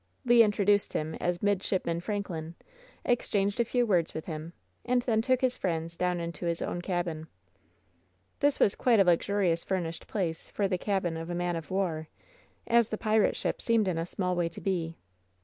Le introduced him as Midshipman Franklin, ex changed a few words with him, and then took his friends down into his own cabin. This was quite a luxuriously furnished place for the cabin of a man of war, as the pirate ship seemed in a small way to be.